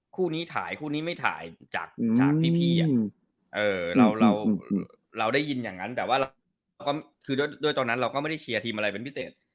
คู่นี้ถ่ายคู่นี้ไม่ถ่ายจากพี่เราได้ยินอย่างนั้นแต่ว่าก็คือด้วยตอนนั้นเราก็ไม่ได้เชียร์ทีมอะไรเป็นพิเศษ